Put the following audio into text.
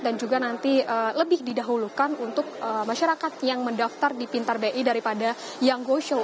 dan juga nanti lebih didahulukan untuk masyarakat yang mendaftar di pintar bi daripada yang goshow